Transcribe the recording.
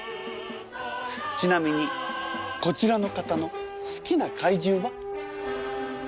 ちなみにこちらの方の好きな怪獣は？